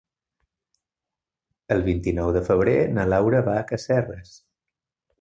El vint-i-nou de febrer na Laura va a Casserres.